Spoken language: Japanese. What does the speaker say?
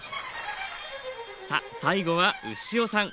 さあ最後は牛尾さん。